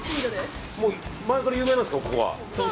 前から有名なんですか、ここは。